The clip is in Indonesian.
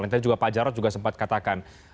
yang tadi juga pak jarod juga sempat katakan